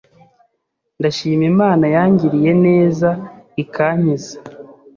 Ndashima Imana yangiriye neza ikankiza